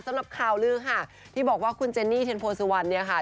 สำหรับข่าวลือค่ะที่บอกว่าคุณเจนนี่เทียนโพสุวรรณเนี่ยค่ะ